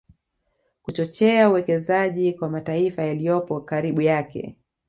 Kuchochea uwekezaji kwa mataifa yaliyopo karibu yake